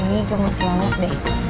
ini gemes banget deh